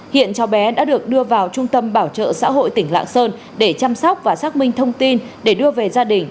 hiện cháu bé đã được đưa vào trung tâm bảo trợ xã hội tỉnh lạng sơn để chăm sóc và xác minh thông tin để đưa về gia đình